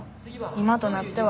今となっては。